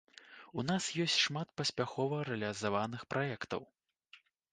У нас ёсць шмат паспяхова рэалізаваных праектаў.